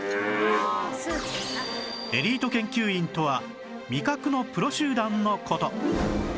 エリート研究員とは味覚のプロ集団の事